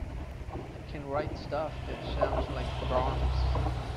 I can write stuff that sounds like Brahms.